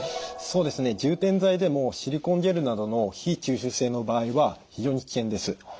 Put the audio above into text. そうですね充填剤でもシリコンゲルなどの非吸収性の場合は非常に危険です。